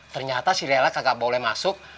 ternyata si relak gak boleh masuk